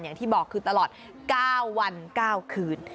อย่างที่บอกคือตลอด๙วัน๙คืน